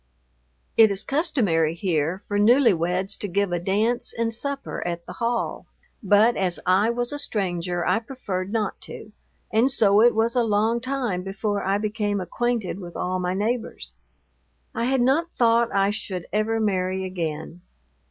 It is customary here for newlyweds to give a dance and supper at the hall, but as I was a stranger I preferred not to, and so it was a long time before I became acquainted with all my neighbors. I had not thought I should ever marry again.